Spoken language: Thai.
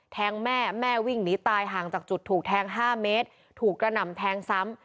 แทงแม่แม่วิ่งหนีตายห่างจากจุดถูกแทง๕เมตรถูกกระหน่ำแทงซ้ำ